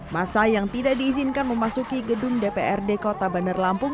masa yang tidak diizinkan memasuki gedung dprd kota bandar lampung